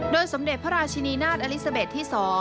สมเด็จพระราชินีนาฏอลิซาเบสที่๒